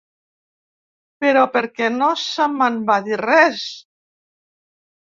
Però per què no se me'n va dir res?